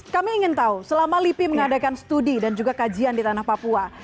kami ingin tahu selama lipi mengadakan studi dan juga kajian di tanah papua